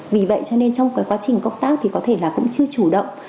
vì vậy cho nên trong cái quá trình công tác thì có thể là cũng chưa chủ động